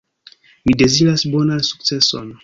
Mi deziras bonan sukceson.